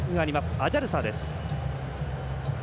アジャルサです。